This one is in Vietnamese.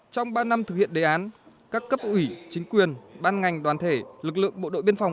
trong ba năm thực hiện đề án các cấp ủy chính quyền ban ngành đoàn thể lực lượng bộ đội biên phòng